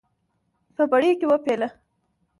په پړي کې وپېله.